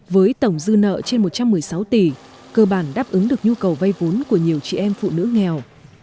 với tổng dư nợ trên một trăm một mươi sáu tỷ cơ bản đáp ứng được nhu cầu vay vốn của nhiều chị em phụ nữ nghèo